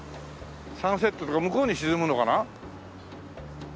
サンセットが向こうに沈むのかな？